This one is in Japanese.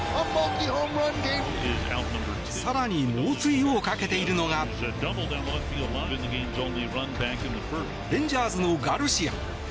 更に、猛追をかけているのがレンジャーズのガルシア。